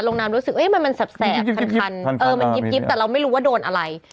น้ำรู้สึกมันแสบคันเออมันยิบแต่เราไม่รู้ว่าโดนอะไร